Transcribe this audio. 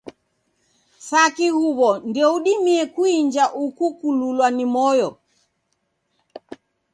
Saki huw'o, ndoudimie kuinja uko kululwa ni moyo.